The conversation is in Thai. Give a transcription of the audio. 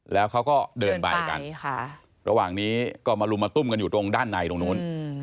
แล้วเขาก็เดินไปกันระหว่างนี้ก็มาลุมมาตุ้มกันอยู่ตรงด้านในตรงนู้น